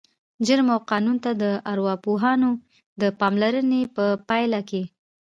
جرم او قانون ته د ارواپوهانو د پاملرنې په پایله کې